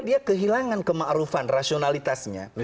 dia kehilangan kema'rufan rasionalitasnya